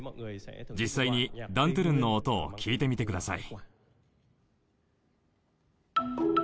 実際にダン・トゥルンの音を聴いてみてください。